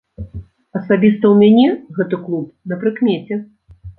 Асабіста ў мяне гэты клуб на прыкмеце.